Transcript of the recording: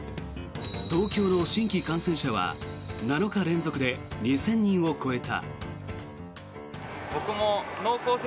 東京の新規感染者は７日連続で２０００人を超えた。